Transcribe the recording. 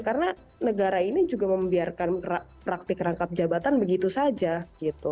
karena negara ini juga membiarkan praktik rangkap jabatan begitu saja gitu